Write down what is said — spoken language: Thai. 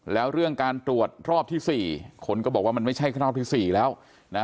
แล้วเรื่องการตรวจรอบที่๔คนก็บอกว่ามันไม่ใช่รอบที่๔แล้วนะ